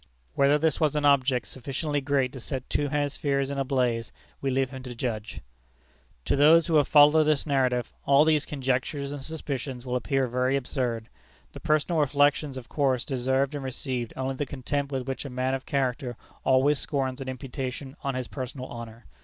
Whether this was an object sufficiently great to set two hemispheres in a blaze, we leave him to judge. To those who have followed this narrative, all these conjectures and suspicions will appear very absurd. The personal reflections of course deserved and received only the contempt with which a man of character always scorns an imputation on his personal honor.